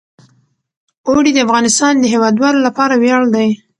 اوړي د افغانستان د هیوادوالو لپاره ویاړ دی.